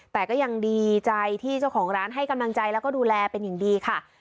แต่ก็ยังดีใจที่เจ้าของร้านให้กำลังใจแล้วก็ดูแลเป็นอย่างดีค่ะ